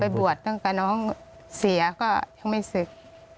ไปบวชตั้งกับน้องรู้สึกเสียก็ยังไม่สึก